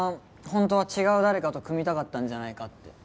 本当は違う誰かと組みたかったんじゃないかって。